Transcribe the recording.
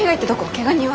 けが人は？